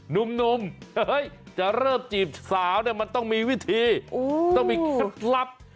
หนุ่มจะเริ่มจีบสาวเนี่ยมันต้องมีวิธีต้องมีเคล็ดลับ